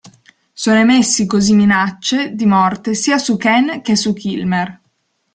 Sono emessi così minacce di morte sia su Ken che su Kilmer.